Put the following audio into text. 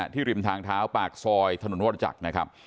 ที่ริมทางเท้าปากซอยถนนโวรจักร